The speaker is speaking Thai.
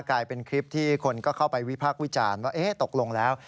กลายเป็นคลิปที่คนก็เข้าไปวิพากษ์วิจารณ์ว่าตกลงแล้ว